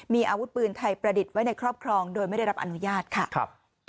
มีอาวุธปืนไทยประดิษฐ์ไว้ในครอบครองโดยไม่ได้รับอนุญาตค่ะ